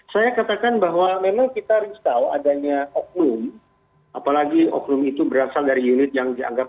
saya katakan bahwa memang kita risau adanya oknum apalagi oknum itu berasal dari unit yang dianggap